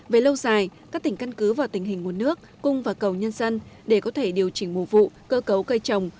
về lâu dài các tỉnh căn cứ vào tình hình nguồn nước cung và cầu nhân dân để có thể điều chỉnh mùa vụ cơ cấu cây trồng